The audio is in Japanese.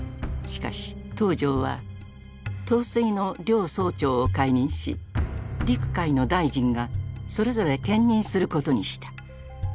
しかし東條は統帥の両総長を解任し陸海の大臣がそれぞれ兼任することにした。